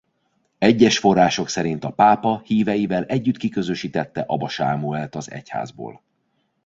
Egyes források szerint a pápa híveivel együtt kiközösítette Aba Sámuelt az egyházból.